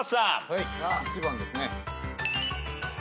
はい１番ですね。